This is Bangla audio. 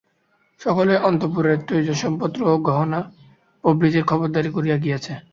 সকলেই অন্তঃপুরের তৈজসপত্র ও গহনা প্রভৃতির খবরদারি করিতে গিয়াছে।